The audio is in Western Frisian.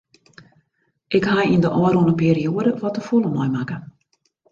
Ik ha yn de ôfrûne perioade wat te folle meimakke.